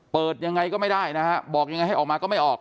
เปิดยังไงก็ไม่ได้นะฮะบอกยังไงให้ออกมาก็ไม่ออก